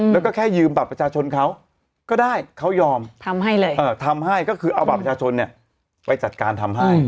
แล้วก็แค่ยืมบัตรประชาชนเขาก็ได้เขายอมทำให้เลยทำให้ก็คือเอาบัตรประชาชนไปจัดการทำให้